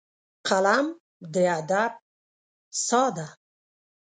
قلم د ادب ساه ده